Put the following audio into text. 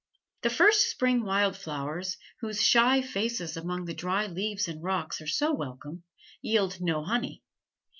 The first spring wild flowers, whose shy faces among the dry leaves and rocks are so welcome, yield no honey.